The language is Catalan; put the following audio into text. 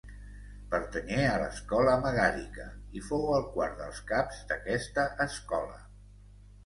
Pertanyé a l'escola megàrica i fou el quart dels caps d'aquesta escola.